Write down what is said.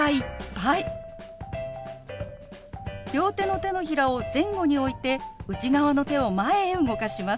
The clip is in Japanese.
両手の手のひらを前後に置いて内側の手を前へ動かします。